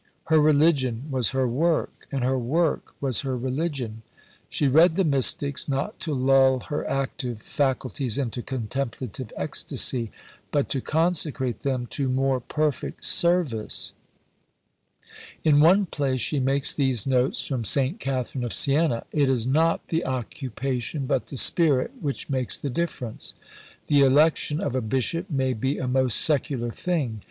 Her religion was her work; and her work was her religion. She read the Mystics, not to lull her active faculties into contemplative ecstasy, but to consecrate them to more perfect service. In one place she makes these notes from St. Catherine of Siena: "It is not the occupation but the spirit which makes the difference. The election of a bishop may be a most secular thing.